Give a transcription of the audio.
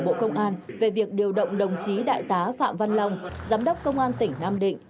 bộ công an về việc điều động đồng chí đại tá phạm văn long giám đốc công an tỉnh nam định